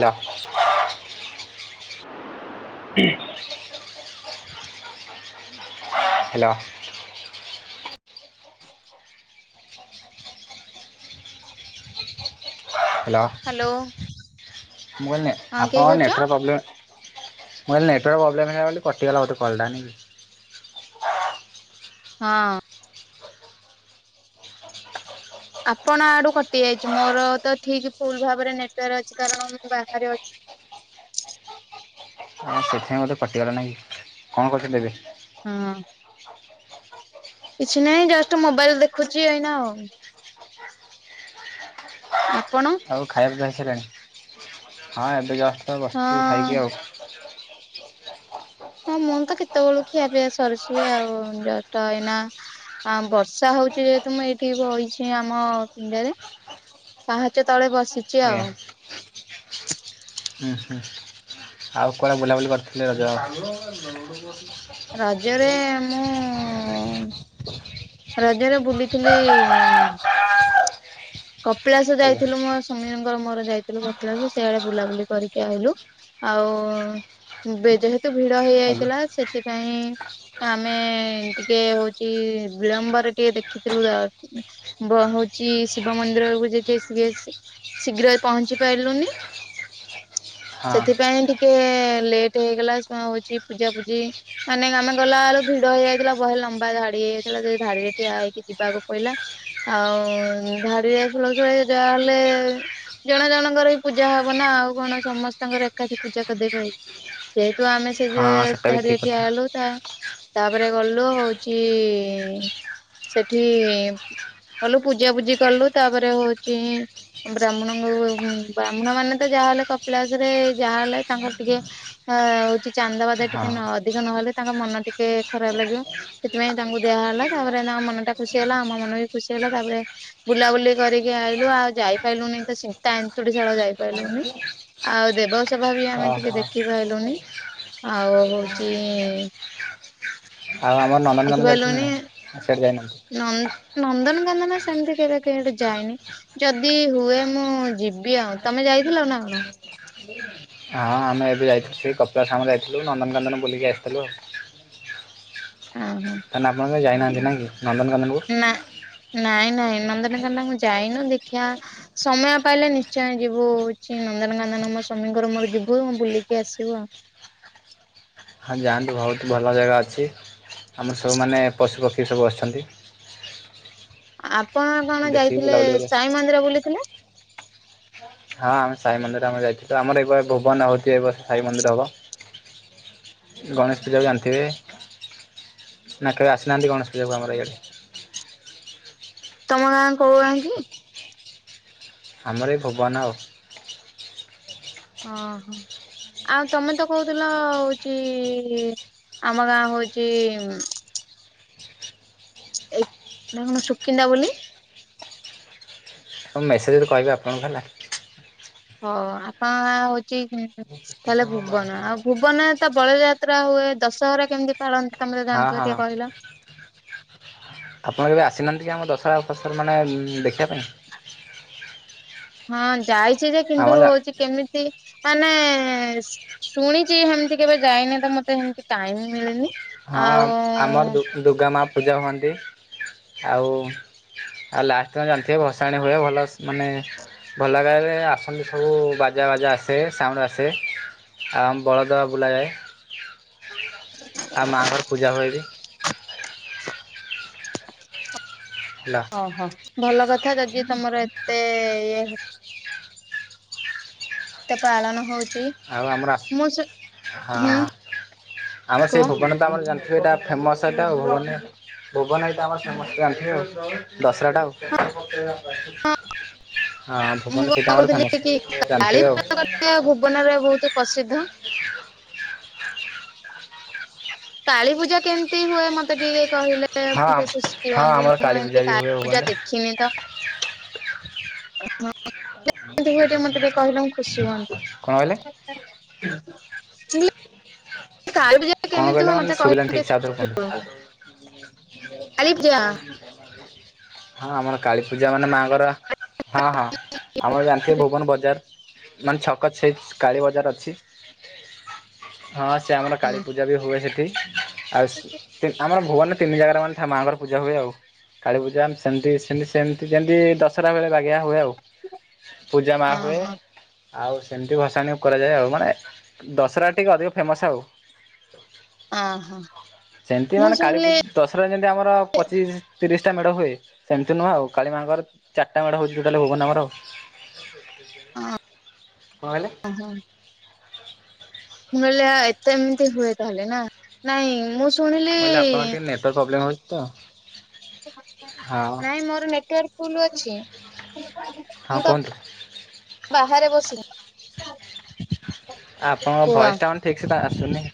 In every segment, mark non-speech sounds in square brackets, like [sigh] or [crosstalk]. [unintelligible] Hello. [inaudible] [inaudible] Hello ମୁଁ କଇଲି hello ନାଇଁ ଆପଣଙ୍କ ହଁ କିଏ ନେଟୱାର୍କ କହୁଛ ପ୍ରବ୍ଲେମ୍ ମୁଁ କଇଲି ନେଟୱାର୍କ ପ୍ରବ୍ଲେମ୍ ହେଲା ବୋଲି କଟିଗଲା ବୋଧେ କଲ୍ ଟା ନା କି? ହଁ। ଆପଣ ଆଡୁ କଟି ଯାଇଚି ମୋର ତ ଠିକ ଫୁଲ ଭାବରେ ନେଟୱାର୍କ ଅଛି କାରଣ ମୁଁ ବାହାରେ ଅଛି। ହଁ ସେଥିପାଇଁ ବୋଧେ କଟିଗଲା ନାଁ କି କଣ କରୁଛନ୍ତି ଏବେ? ହୁଁ। [inaudible] କିଛି ନାହିଁ ଜଷ୍ଟ ମୋବାଇଲ ଦେଖୁଚି ଏଇନା ଆଉ। ଆପଣ? ଖାଇବାକୁ ଯାଇସାଲେଣି ହଁ ଏବେ ଜଷ୍ଟ ବସୁଚୁ ହଁ ଖାଇକି ଆଉ। [inaudible] ହଁ ମୁଁ ତ କେତବେଳୁ, ଖିଆ ପିଇଆ ସରିଛି ଆଉ ଜଷ୍ଟ ଏଇନା ଆ ବର୍ଷା ହଉଚି ଯେହେତୁ ମୁଁ ଏଇଠି ବଇଚି ଆମ ପିଣ୍ଡା ରେ। ପାହାଚ ତଳେ ବସି ଆଜ୍ଞା। ହୁଁ ହୁଁ ଆଉ କୁଆଡ଼େ ବୁଲାବୁଲି କରିଥିଲି ରଜ? ରଜରେ ମୁଁ ରଜରେ ବୁଲିଥିଲି କପିଳାସ ଆଜ୍ଞା ଯାଇଥିଲୁ ମୋ ସୁମୀନଙ୍କର ମୋର ଯାଇଥିଲୁ କପିଳାସ ସେଇଆଡେ ବୁଲାବୁଲି କରିକି ଆଇଲୁ। ଆଉ ବେ ଯେହେତୁ ଭିଡ ହେଇ ଆଜ୍ଞା ଯାଇଥିଲା ସେଥିପାଇଁ ଆମେ ଟିକେ ହଉଚି ବିଳମ୍ବରେ ଟିକେ ଦେଖିଥିଲୁ ଦ ବ ହଉଚି ଶିବ ମନ୍ଦିର କୁ ଯାଇକି ଏସି ବି ଏସି ଶୀଘ୍ର ପହଞ୍ଚି ପାରିଲୁନି। ହଁ ସେଥିପାଇଁ ଟିକେ ଲେଟ ହେଇଗଲା ଶୁଆ ହଉଚି ପୂଜାପୂଜି ମାନେ ଆମେ ଗଲା ଆଡକୁ ଭିଡ ହେଇଯାଇଥିଲା ବହେ ଲମ୍ବା ଧାଡି ହେଇଯାଇଥିଲା ସେ ଧାଡ଼ିରେ ଠିଆ ହେଇକି ଯିବାକୁ ପଡିଲା। ଆଉ ଧାଡି ରେ ଆସୁ ଆସୁ ଯାହା ହେଲେ ଜଣ ଜଣଙ୍କର ପୂଜା ହବ ନା ଆଉ କଣ ସମସ୍ତଙ୍କର ଏକାଠି ପୂଜା କରିଦେଇ ପାରି ଯେହେତୁ ଆମେ ସେ ଯେ ହଁ ସେଟା ବି ଠିକ୍ ଧାଡ଼ିରେ କଥା ଠିଆ ହେଲୁ ତା ତାପରେ ଗଲୁ ହଉଚି ସେଠି କଲୁ ପୂଜା ପୂଜି କଲୁ ତାପରେ ହଉଛି ବ୍ରାହ୍ମଣଙ୍କୁ ବ୍ରାହ୍ମଣ ମାନେ ତ ଯାହା ହେଲେ କପିଳାସ ରେ ଯାହାହଲେ ତାଙ୍କର ଟିକେ ଅ ହଉଛି ଚାନ୍ଦାବାଦା ହଁ ଟିକେ ଅଧିକ ନହେଲେ ତାଙ୍କ ମନ ଟିକେ ଖରାପ ଲାଗିବ। ସେଥିପାଇଁ ତାଙ୍କୁ ଦିଆ ହେଲା ତାପରେ ତା ମନ ଟା ଖୁସି ହେଲା ଆମ ମନ ବି ଖୁସି ହେଲା ତାପରେ ବୁଲାବୁଲି କରିକି ଆଇଲୁ ଆଉ ଯାଇପାରିଲୁନି ତ ସିତା ଏନ୍ତୁଡିଶାଳ ଯାଇପାରିଲୁନି। ଆଉ ଦେବସଭା ବି ଆମେ ଟିକେ ଓହୋ ଦେଖି ପାରଲୁନି। ଆଉ ହଉଚି ଆଉ ଆମର ନନ୍ଦନକାନନ ଦେଖିଲୁଣି ନା ଦେଖିପାରିଲୁନି ସେଇଠି ଯାଇ ନାହାନ୍ତି। ନନ୍ଦ ନନ୍ଦନକାନ ନା ସେମିତି କେବେ କୁଆଡ଼େ ଯାଇନି। ଯଦି ହୁଏ ମୁଁ ଯିବି ଆଉ ତମେ ଯାଇଥିଲ ନା କଣ? [unintelligible] ହଁ ଆମେ ଏବେ ଯାଇଥିଲୁ କପିଳାସ ଆମ ଯାଇଥିଲୁ ନନ୍ଦନକାନନ ବୁଲିକି ଆସିଥିଲୁ ଆଉ। ଓ ହୋ। ତାମାନେ ଯାଇନାହାନ୍ତି ନା ନନ୍ଦନକାନନ କୁ? ନା ନାଇଁ ନାଇଁ ନନ୍ଦନକାନନ ମୁଁ ଯାଇନୁ ଦେଖିବା। ସମୟ ପାଇଲେ ନିଶ୍ଚୟ ଯିବୁ ହଉଛି ନନ୍ଦନକାନନ ମୋ ସ୍ୱାମୀଙ୍କର ମୋର ଯିବୁ ବୁଲିକି ଆସିବୁ ଆଉ। ହଁ ଯାଆନ୍ତୁ ବହୁତ ଭଲ ଜାଗା ଅଛି ଆମର ସବୁମାନେ ପଶୁପକ୍ଷୀ ସବୁ ଅଛନ୍ତି। ଆପଣ କଣ ଦେଖିକି ଯାଇଥିଲେ ବୁଲାବୁଲି କରି ଆସିବେ। ସାଇ ମନ୍ଦିର ବୁଲିଥିଲେ? ହଁ ଆମେ ସାଇ ମନ୍ଦିର ଆମେ ଯାଇଥିଲୁ ଆମର ଏବେ ଭୁବନ ହଉଛି ଏ ବର୍ଷ ସାଇ ମନ୍ଦିର ହବ। ଗଣେଶ ପୂଜାକୁ ଜାଣିଥିବେ ନା କେବେ ଆସିନାହାନ୍ତି ଗଣେଶ ପୂଜାକୁ ଆମର ଇଆଡ଼େ? ତମ ଗାଁ କୋଉ ଗାଁ କି? ଆମର ଏଇ ଭୁବନ ଆଉ। ଓ ହୋ। ଆଉ ତମେ ତ କହୁଥିଲ ହଉଛି ଆମ ଗାଁ ହଉଛି ଏ ନା କଣ ସୁକିନ୍ଦା ବୋଲି ମୁଁ ମେସେଜ୍ ରେ କହିବି ଆପଣଙ୍କୁ ହେଲା। ହଉ ଆପଣ ନା ହଉଛି ତାହେଲେ ଭୁବନ ଆଉ ଭୁବନ ତ ବଳଯାତ୍ରା ହୁଏ ଦଶହରା କେମିତି ତଳନ୍ତ ତମେ ତ ହଁ ଜଣିଥିବ ହଁ ଟିକେ କହିଲ? ଆପଣ କେବେ ଆସିନାହାନ୍ତି କି ଆମ ଦଶହରା [unintelligible] ମାନେ ଦେଖିବା ପାଇଁ? ହଁ ଯାଇଛି ଯେ କିନ୍ତୁ ଆମର ହଉଛି କେମିତି ମାନେ ଶୁଣିଛି ହେମିତି କେବେ ଯାଇନି ତ ମତେ ସେମତି ଟାଇମ ମିଳିନି। ହଁ ଆଉ ଆମର ଦୁ ଦୁର୍ଗା ମା ପୂଜା ହୁଅନ୍ତି ଆଉ। ଆଉ ଲାଷ୍ଟ କୁ ଜାଣିଥିବେ ଭସାଣି ହୁଏ ଭଲ ମାନେ ଭଲ [unintelligible] ଆସନ୍ତି ସବୁ ବାଜା ବାଜା ଆସେ ସାଉଣ୍ଡ ଆସେ। ଆଉ ଆମ ବଳଦ ବୁଲାଏ। ହ ଆଉ ମାଆଙ୍କର ପୂଜା ହୁଏ ବି। ହେଲୋ। ଓହୋ ଭଲ କଥା ଯଦି ତମର ଏତେ ଇଏ ହଉଛି। ତ ପାଳନ ହଉଛି। ଆଉ ଆମର ମୁଁ ଶୁ ହଁ ହୁଁ ଆମର ସେ କୁହ ଭୁବନ ତ ଆମର ଜାଣିଥିବେ ଏଇଟା ଫେମସ ଏଇଟା ମାନେ ଭୁବନ ଏଟା ଆମର ଫେମସ ଜାଣିଥିବେ। ଦଶହରାଟା ଆଉ। ହଁ ମୁଁ ଭୁବନ ସେଇଟା ଆମର ଫେମସ ଜାଣିଥିବେ ଆଉ। ସେ ଭୁବନର ରେ ବହୁତ ପ୍ରସିଦ୍ଧ। କାଳୀ ପୂଜା କେମିତି ହୁଏ ମତେ ଟିକେ କହିଲେ। ଲେ ହଁ ମୁଁ ଟିକେ ଖୁସି ହଁ ହୁଅନ୍ତି। ଆମର ମୁଁ କାଳୀ ପୂଜା ଏମିତି ବି ହୁଏ କାଳୀ ପୂଜା ଭୁବନରେ ଦେଖିନି ତ। ଆଛା ଆ କହିଲେ ମୁଁ ଖୁସି ହୁଅନ୍ତି। କଣ କହିଲେ? କାଳୀପୂଜା କଣ କେମିତି କହିଲେ ହୁଏ। ମାନେ ମତେ କହିଲେ ଶୁଭିଲାନି ଟିକେ ଠିକ୍ ସେ ଆଉଥରେ ଖୁସି କୁହନ୍ତୁ। ହୁଅନ୍ତି। କାଳୀ ପୂଜା। ତମ [unintelligible] ହଁ ଆମର କାଳୀପୂଜା ମାନେ ମାଙ୍କର ହଁ ହଁ ଆମର ଜାଣିଥିବେ ଭୁବନ ବଜାର। ମାନେ ଛକ ଛେଇ କାଳୀ ବଜାର ଅଛି। ହଁ ସେ ଆମର କାଳୀ ହୁଁ ପୂଜା ପୂଜା ବି ହୁଏ ସେଠି। ଆଉ ଆମର ଭୁବନରେ ତିନି ଜାଗାରେ ମାନେ ଥା ମାଆଙ୍କର ପୂଜା ହୁଏ ଆଉ। କାଳୀପୂଜା ଆମେ ସେମିତି ସେମିତି ଯେମିତି ଦଶହରା ବେଳେ ବାଗିଆ ହୁଏ ଆଉ। ପୂଜା ମା ହୁଏ। ଓହୋ ଆଉ ସେମିତି ଭସାଣକୁ କରାଯାଏ ଆଉ। ମାନେ ଦଶରା ଟିକେ ଅଧିକ ଫେମସ୍ ଆଉ। ଓହୋ ସେମିତି ମୁଁ ମାନେ ଶୁଣିଲି କାଳୀପୂଜ ଦଶରାରେ ଯେମିତି ଆମର ପଚିଶ ତିରିଶଟା ମେଡ଼ ହୁଏ। ସେମିତି ନୁହଁ ଆଉ। କାଳିମାଙ୍କର ଚାରିଟା ମେଢ ହଉଛି ଟୋଟାଲ ଭୁବନରେ ଆମର। କଣ କହିଲେ? ଆମନ ମୁଁ କିହିଲି ଏତେ ଏମିତି ହୁଏ ତାହେଲେ ନା। ନାଇଁ ମୁଁ ଶୁ ମୁଁ କହିଲି ଆପଣଙ୍କର ଟିକେ ନେଟୱାର୍କ ପ୍ରୋବ୍ଲେମ ହେଉଚି ତ। ହଁ ନାଇଁ ମୋର ନେଟୱାର୍କ ଫୁଲ ଅଛି। ହଁ ମୁଁ ତ କୁହନ୍ତୁ। ବାହାରେ ବସିନ। ଆପଣଙ୍କ ଭଏସ ଟାଉ ଠିକ୍ ସେ ତା ଆସୁନି।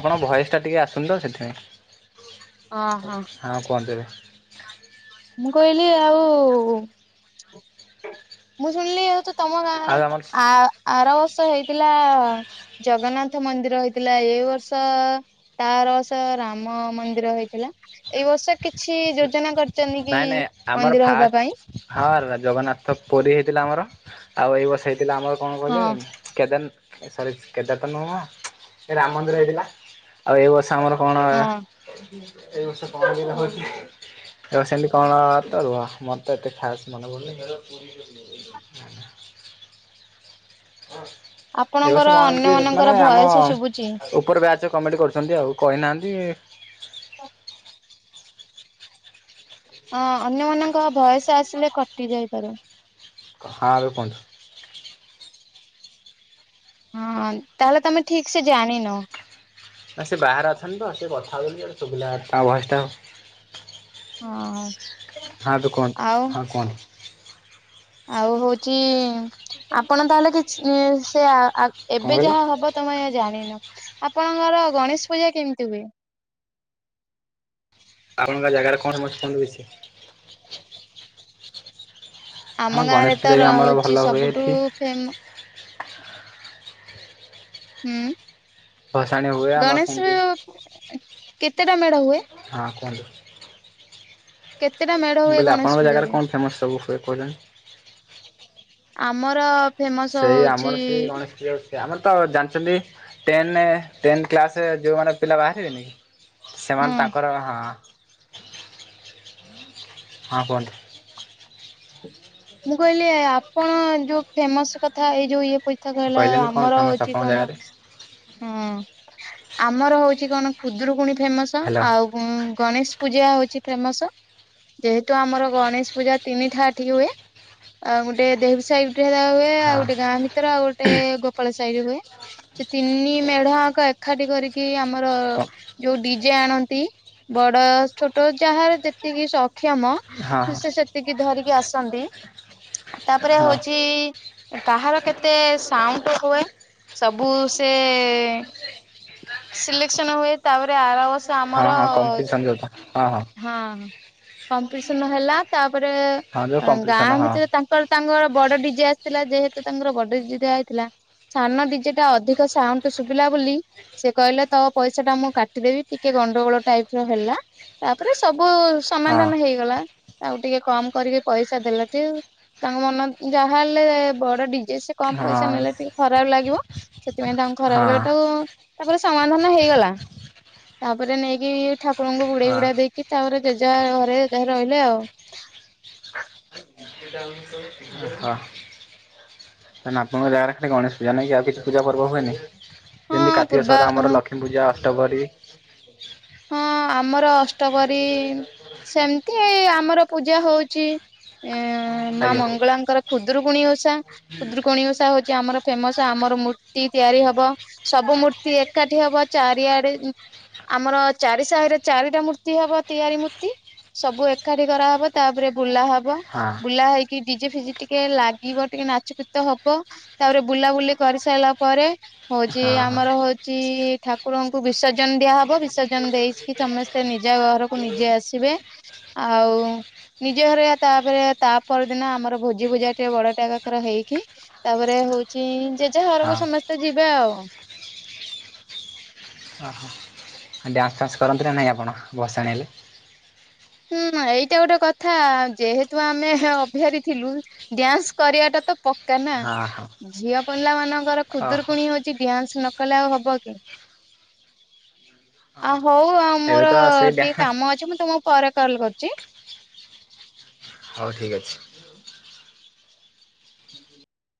ଆପଣଙ୍କ ଭଏସ୍ ଟା ଟିକେ ଆସୁନି ତ ସେଥିପାଇଁ। ଓ ହୋ। ହଁ କୁହନ୍ତୁ ଏବେ? ମୁଁ କହିଲି ଆଉ ମୁଁ ଶୁଣିଲି ଆଉ ତ ତମ ଗାଁରେ ଆଉ ତ ଆମର ଆ ଆର ବର୍ଷ ହେଇଥିଲା। ଜଗନ୍ନାଥ ମନ୍ଦିର ହେଇଥିଲାଏଇ ବର୍ଷ। ତା ଆରବର୍ଷ ରାମ ମନ୍ଦିର ହେଇଥିଲା। ଏଇ ବର୍ଷ କିଛି ଯୋଜନା କରି ନାଇଁ ନାଇଁ ଆମର ଫାଷ୍ଟ ହଁ ଜଗନ୍ନାଥ ପୁରୀ ହେଇଥିଲା ଆମର। ଆଉ ଏଇ ବର୍ଷ ହେଇଥିଲା ଆମର କଣ ହଁ କହିଲେ? କେଦାର ସରି କେଦାରଥ ନୁହଁ। ଏ ରାମ ମନ୍ଦିର ହେଇଥିଲା। ଆଉ ଏ ବର୍ଷ ସେ ଆମର କଣ ହଁ ଏ ବର୍ଷ କଣ କେମିତି ହେଉଚି। ଏ ସେମିତି କଣ ତ ରୁହ ମରତ ଏତେ ଖାସ୍ ମନେ ପଡୁନି। ତ ପୁରି ହୁଁ। ଏ ଆପଣଙ୍କର ବର୍ଷ କଣ ଏମିତି ଅନ୍ୟମାନଙ୍କର ମାନେ ଆମ ଭୟସ ଶୁଭୁଛି। ଉପରେ ବ୍ୟାଚ କମେଟ କରୁଛନ୍ତି ଆଉ କହିନାହାନ୍ତି। ହ ହଁ ଅନ୍ୟମାନଙ୍କ ଭୟସ ଆସିଲେ କଟି ଯାଇପାରେ। କହାଁଳୁ କୁହନ୍ତୁ? ହୁଁ ତାହେଲେ ତମେ ଠିକ୍ ସେ ଜାଣିନ? ନା ସେ ବାହାରେ ଅଛନ୍ତି ତ। ସେ କଥା ହେବେ ବୋଲି ଗୋଟେ ସୁବିଲା ତା ଭଏସଟା ଆଉ। ହଁ। ହଁ ଏବେ କୁହନ୍ତୁ ଆଉ ହଁ କୁହନ୍ତୁ। ଆଉ ହଉଛି ଆପଣ ତାହେଲେ କିଛି ସେ ଆ କଣ ଏବେ କହିଲେ ଯାହା ହବ। ତମ ଜାଣିନ। ଆପଣଙ୍କର ଗଣେଶ ପୂଜା କେମିତି ହୁଏ? ଆପଣଙ୍କ ଜାଗାରେ କଣ ସମସ୍ତୁୁ ହଉଛି। ହଁ ଆମ ଗାଁ ଗଣେଶ ରେ ତ ପୂଜା ବି ର ଆମର ଭଲ ହଉଚି ହୁଏ ସବୁଠୁ ଏଠି ଫେମ ହୁଁ ଭସାଣି ହୁଏ ଆମର ଗଣେଶ ସେମିତି କେତେଟା ମେଢ ହୁଏ। ହଁ କୁହନ୍ତୁ? କେତେଟା ମେଢ ମୁଁ ହୁଏ କହିଲି ଆପଣଙ୍କ ଗଣେଶ ଜାଗାରେ ପୂଜାରେ? କଣ ଫେମସ୍ ସବୁ ହୁଏ କହୁଛନ୍ତି। ଆମର ଫେମସ ସେଇ ହଉଛି ଆମର ସେଇ ଗଣେଶ ପୂଜା ଆମର ତ ଜାଣିଛନ୍ତି ଟେନ ଟେନ୍ କ୍ଲାସରେ ଯେଉଁମାନେ ପିଲା ବାହାରିବେନି କି। ସେମାନେ ହଁ ତାଙ୍କର ହଁ। ହଁ କୁହନ୍ତୁ। ମୁଁ କହିଲି ଆପଣ ଯୋଉ ଫେମସ କଥା ଏଇ ଯୋଉ ଇଏ। [unintelligible] କହିଲା କହିଲେନି କଣ ଆମର ଫେମସ୍ ହଉଛି ଆପଣଙ୍କ କଣ ଜାଗାରେ? ହୁଁ ଆମର ହଉଛି କଣ ଖୁଦରୁକୁୁଣୀ ଫେମସ ହ୍ୟାଲୋ ଆଉ ଉଁ ଗଣେଶ ପୂଜା ହଉଛି ଫେମସ। ଯେହେତୁ ଆମର ଗଣେଶ ପୂଜା ତିନିଠା ଏଠି ହୁଏ। ଆଉ ଗୋଟେ ଦେହରି ସାହିରେ ଗୋଟେ ହେ ହୁଏ ଆଉ ହଁ ଗୋଟେ ଗାଁ ଭି ଭିତରେ ଆଉ ଗୋଟେ ଗୋପାଳ ସାହିରେ ହୁଏ ସେ ତିନି ମେଢଆଙ୍କ ଏକାଠି କରିକି ଆମ ଆର କ ଯୋଉ ଡିଜେ ଆଣନ୍ତି ବଡ ଛୋଟ ଯାହାର ଯେ ସେତିକି ସକ୍ଷମ ହଁ ହଁ ସେ ସେତିକି ଧରିକି ଆସନ୍ତି। ତାପରେ ହଁ। ହଉଛି କାହାର କେତେ ସାଉଣ୍ଡ ହୁଏ? ସବୁ ସେ ସିଲେକ୍ସନ ହୁଏ ତାପରେ ଆରବର୍ଷ ହଁ ହଁ କମ୍ପିଟ୍ସନ ଯୋଉ ତ ହଁ ହଁ। ହଁ କମ୍ପିଟିସନ ହେଲା ତାପରେ ହଁ ଯୋଉ କମ୍ପିଟିସନ୍ ଗାଁ ହଁ। ଭିତରେ ତାଙ୍କର ତାଙ୍କର ବଡ ଡିଜେ ଆସିଥିଲା ଯେହେତୁ ତାଙ୍କର ବଡ ଡିଜିେ ଆଇଥିଲା। ସାନ ଡିଜେଟା ଅଧିକ ସାଉଣ୍ଡ ଶୁଭିଲା ବୋଲି ସେ କହିଲେ ତୋ ପଇସାଟା ମୁଁ କାଟିଦେବି ଟିକେ ଗଣ୍ଡଗୋଳ ଟାଇପର ହେଲା। ତାପରେ ସବୁ ହଁ ସମାଧାନ ହେଇଗଲା। ତାକୁ ଟିକେ କମ କରିକି ପଇସା ଦେଲାଟି ତାଙ୍କ ମନ ଯାହା ହେଲେ ବଡ ଡିଜେ ସେ କମ ହଁ ପଇସା ନେଲେ ଟିକେ ଖରାପ ଲାଗିବ। ସେଥିପାଇଁ ତାଙ୍କ ହଁ ଖରାପ ଲଗା ଟାକୁ ତାପରେ ସମାଧାନ ହେଇଗଲା ତାପରେ ନେଇକି ଠାକୁରଙ୍କୁ ବୁଡେଇ ହଁ ବୁଡା ଦେଇକି ତାପରେ ଯେଝା ଘରେ ରହିଲେ ଆଉ। [unintelligible] ହଁ ଆପଣଙ୍କ ଜାଗାରେ ଖାଲି ଗଣେଶ ପୂଜା ନାଇଁକି ଆଉ କିଛି ପୂଜା ପର୍ବ ହୁଏନି? ଯେମିତି ହଁ କାର୍ତିକ ପୂର୍ବା ସ୍ଷୋର ଆମର ହଁ ଲକ୍ଷ୍ମୀ ପୂଜା ଅଷ୍ଟପହରି ହଁ ଆମର ଅଷ୍ଟବରୀ ସେମିତି ଆମର ପୂଜା ହଉଛି। ଅ ମା ଆଜ୍ଞା ମଙ୍ଗଳାଙ୍କର ଖୁଦୁରୁକୁୁଣୀ ଓଷା ଖୁଦୂରୁକୁୁଣୀ ଓଷା ହଉଛି ଆମର ଫେମସ ଆମର ମୂର୍ତ୍ତି ତିଆରି ହବ। ସବୁ ମୂର୍ତ୍ତି ଏକାଠି ହବ। ଚାରିଆଡେ ଆମର ଚାରି ସାହିରେ ଚାରିଟା ମୂର୍ତ୍ତି ହବ। ତିଆରି ମୂର୍ତ୍ତି ସବୁ ଏକାଠି କରାହବ। ତାପରେ ବୁଲା ହବ ହଁ ବୁଲା ହେଇକି ଡିଜେ ଫିଜିେ ଟିକେ ଲାଗିବ ଟିକେ ନାଚକୀତ ହବ ତାପରେ ବୁଲାବୁଲି କରିସାରିଲା ପରେ ହଉଛି ହଁ ହଁ। ଆମର ହଉଛି ଠାକୁରଙ୍କୁ ବିସର୍ଜନ ଦିଆହବ ବିସର୍ଜନ ଦେଇକି ସମସ୍ତେ ନିଜ ଘରକୁ ନିଜେ ଆସିବେ ଆଉ ନିଜ ଘରେ ତାପରେ ତା ପରଦିନ ଆମର ଭୋଜି ଭୋଜା ଟିକେ ବଡଟା ଆକାରେ ହେଇକି ତାପରେ ହଉଛି ଯେଝା ହଁ ଘରକୁ ସମସ୍ତେ ଯିବେ ଆଉ ହ ହୋ ଡ୍ୟାନ୍ସ ଫାନସ କରନ୍ତି ନାହିଁ ଆପଣ? ଭସାଣି ହେଲେ ହୁଁ, ଏଇଟା ଗୋଟେ କଥା, ଯେହେତୁ ଆମେ ଅବିହାରୀ ଥିଲୁ ଡ୍ୟାନ୍ସ କରିବାଟା ତ ପ କା ନା ହଁ ହଁ ଝିଅ ପିଲାମାନଙ୍କର ଓହୋ ଖୁଦୁରକୁଣି ହଉଛି, ଡ୍ୟାନ୍ସ ନ କଲେ ଆଉ ହବ କି? ଆ ହଉ ଆଉ ଏବେ ମୋର ତ ସେଇ ଟିକେ ଡ୍ୟାନ୍ସ କାମ ଅଛି ମୁଁ ତମକୁ ପରେ କଲ କରୁଛି। ହଉ ଠିକ ଅଛି।